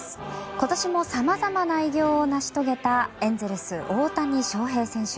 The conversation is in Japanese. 今年もさまざまな偉業を成し遂げたエンゼルス、大谷翔平選手。